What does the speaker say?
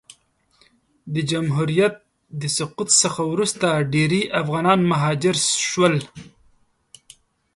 د جمهوریت د سقوط څخه وروسته ډېری افغانان مهاجر سول.